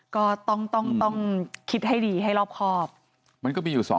ก็ต้องคิดให้ดีให้รอบครอบ